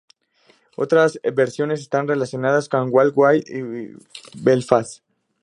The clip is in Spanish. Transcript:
Otras versiones están relacionadas con Galway y Belfast.